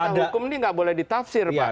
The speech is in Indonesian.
karena hukum ini nggak boleh ditafsir pak